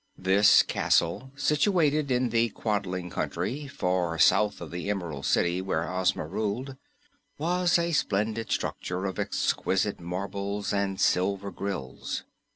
This castle, situated in the Quadling Country, far south of the Emerald City where Ozma ruled, was a splendid structure of exquisite marbles and silver grilles.